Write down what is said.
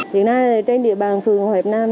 hiện nay trên địa bàn phường hội hợp nam